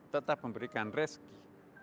tetap memberikan rezkinya